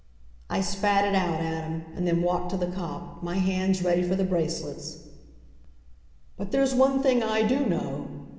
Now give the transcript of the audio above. I spat it out at him, and then walked to the cop, my hands ready for the bracelets. "But there's one thing I do know!"